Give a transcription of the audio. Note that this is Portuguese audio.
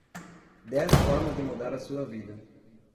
Dez formas de mudar a sua vida